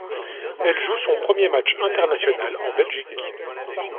Elle joue son premier match international en Belgique.